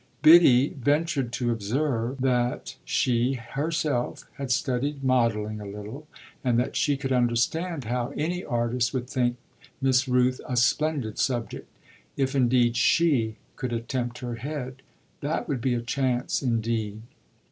Biddy ventured to observe that she herself had studied modelling a little and that she could understand how any artist would think Miss Rooth a splendid subject. If indeed she could attempt her head, that would be a chance indeed.